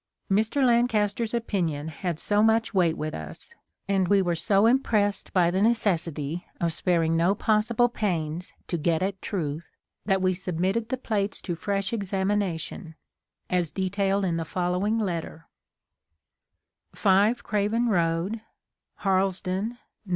Mr. Lancaster's opinion had so much weight with us, and we were so impressed by the necessity of sparing no possible jjains 29 THE COMING OF THE FAIRIES to get at truth, that we submitted the plates to fresh examination, as detailed in the fol lowing letter : 5 Craven Road, Harlesden, N.W.